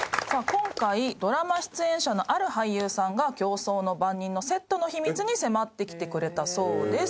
今回ドラマ出演者のある俳優さんが『競争の番人』のセットの秘密に迫ってきてくれたそうです。